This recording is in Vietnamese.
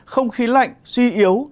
không khí lạnh suy yếu